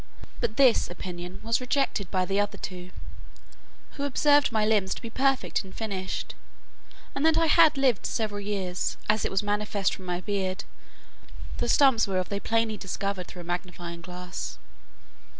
But this opinion was rejected by the other two, who observed my limbs to be perfect and finished; and that I had lived several years, as it was manifest from my beard, the stumps whereof they plainly discovered through a magnifying glass.